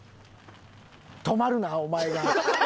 止まるなお前が。